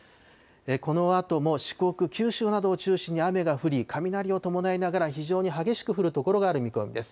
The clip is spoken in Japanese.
このあとも四国、九州などを中心に雨が降り、雷を伴いながら、非常に激しく降る所がある見込みです。